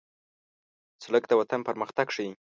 سړک د وطن پرمختګ ښيي.